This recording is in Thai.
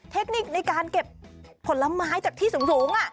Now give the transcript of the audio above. เทคนิคในการเก็บผลไม้จากที่สูง